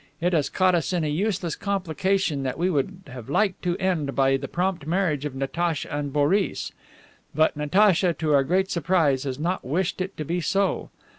It has caught us in a useless complication that we would have liked to end by the prompt marriage of Natacha and Boris. But Natacha, to our great surprise, has not wished it to be so.